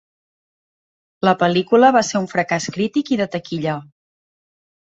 La pel·lícula va ser un fracàs crític i de taquilla.